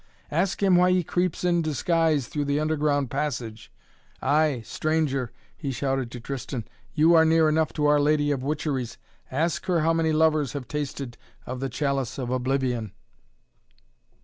Ask him why he creeps in disguise through the underground passage. Ay stranger," he shouted to Tristan, "you are near enough to our lady of Witcheries. Ask her how many lovers have tasted of the chalice of oblivion?"